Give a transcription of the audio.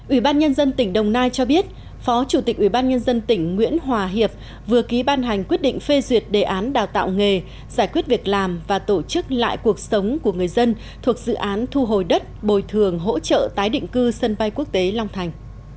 ủy ban nhân dân tỉnh đồng nai cho biết phó chủ tịch ubnd tỉnh nguyễn hòa hiệp vừa ký ban hành quyết định phê duyệt đề án đào tạo nghề giải quyết việc làm và tổ chức lại cuộc sống của người dân thuộc dự án thu hồi đất bồi thường hỗ trợ tái định cư sân bay quốc tế long thành